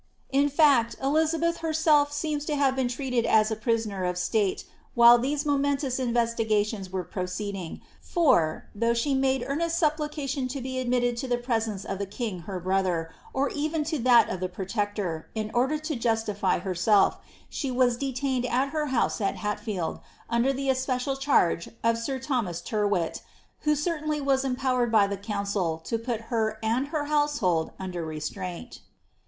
In fact, Elizabeth herself seems to have been treated as a prisoner * Tytler's State Papers. " Haynes" Stau* Pu[)oift. • Ibid. • Ibid, BLIIABBTH* of state, while these momentous investigations were proceeding ; for, though she made earnest supplication to be admitted to the presence of the king her brother, or even to that of the protector, in order to justify herself, she was detained at her house at Hatfield, under the especial charge of sir Thomas Tyrwhil, who certainly was empowered by the council to put her and her household under restraint.